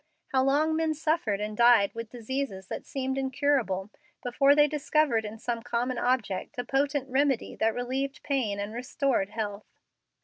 How long men suffered and died with diseases that seemed incurable, before they discovered in some common object a potent remedy that relieved pain and restored health!